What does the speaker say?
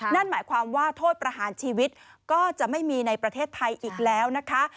นั่นหมายความว่าโทษประหารชีวิตก็จะไม่มีในประเทศไทยอีกแล้วนะคะ